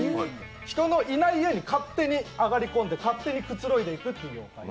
人のいない家に勝手に上がり込んで勝手にくつろいでいくと。